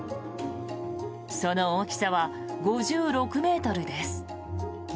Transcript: その大きさは５６ｍです。